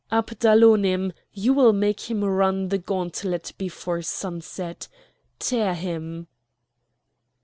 "Abdalonim! you will make him run the gauntlet before sunset: tear him!"